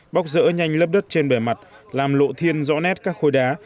bóc rỡ nhanh lớp đất trên bề mặt làm lộ thiên rõ nét các khối đá